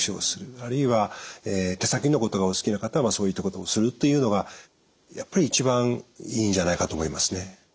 あるいは手先のことがお好きな方はそういったことをするというのがやっぱり一番いいんじゃないかと思いますね。